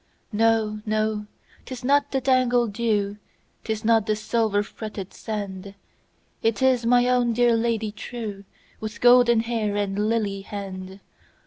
No! no! 'tis not the tangled dew,'Tis not the silver fretted sand, It is my own dear Lady trueWith golden hair and lily hand!